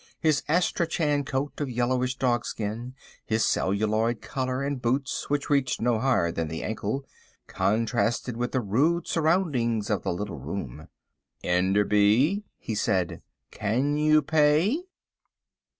His astrachan coat of yellow dogskin, his celluloid collar, and boots which reached no higher than the ankle, contrasted with the rude surroundings of the little room. "Enderby," he said, "can you pay?"